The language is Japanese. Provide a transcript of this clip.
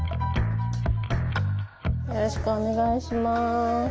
よろしくお願いします。